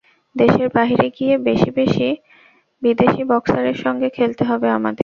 দেশের বাইরে গিয়ে বেশি বেশি বিদেশি বক্সারের সঙ্গে খেলতে হবে আমাদের।